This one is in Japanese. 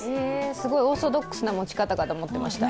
すごいオーソドックスな持ち方だと思っていました。